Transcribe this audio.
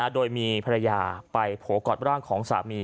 โดยมีภรรยาไปโผล่กอดร่างของสามี